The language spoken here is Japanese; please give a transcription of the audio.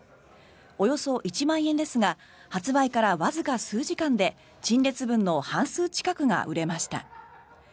およそ１万円ですが発売からわずか数時間で陳列分の半数近くが売れました。